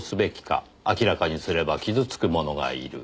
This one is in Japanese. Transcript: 「明らかにすれば傷つく者がいる」